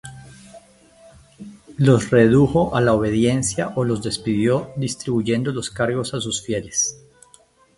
Los redujo a la obediencia o los despidió, distribuyendo los cargos a sus fieles.